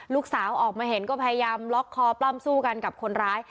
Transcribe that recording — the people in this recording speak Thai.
ลูกสาวออกมาเห็นก็พยายามล็อกคอปล้ำสู้กันกับคนร้าย